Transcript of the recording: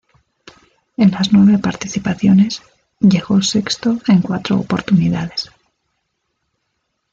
En las nueve participaciones, llegó sexto en cuatro oportunidades.